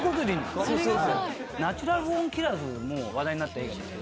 『ナチュラル・ボーン・キラーズ』も話題になった映画ですけど。